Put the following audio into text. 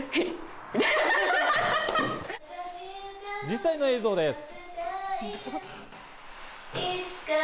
実際の映像です。